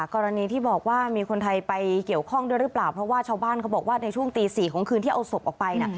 กรณีที่บอกว่ามีคนไทยไปเกี่ยวข้องด้วยหรือเปล่าเพราะว่าชาวบ้านเขาบอกว่าในช่วงตี๔ของคืนที่เอาศพออกไป